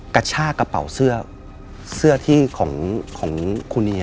กระชากระเป๋าเสื้อเสื้อของคู่นี้